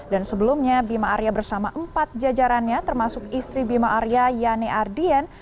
dan sebelumnya bima aria bersama empat jajarannya termasuk istri bima aria yane ardian